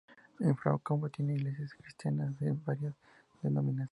Ilfracombe tiene iglesias cristianas de varias denominaciones.